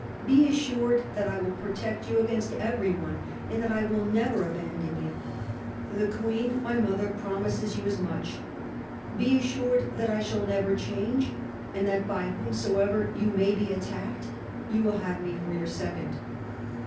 ... Be assured that I will protect you against every one, and that I will never abandon you. The Queen, my mother, promises you as much. ... Be assured that I shall never change, and that, by whomsoever you may be attacked, you will have me for your second."